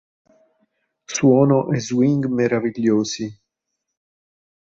Suono e swing meravigliosi.